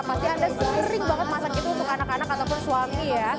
pasti anda sering banget masak itu untuk anak anak ataupun suami ya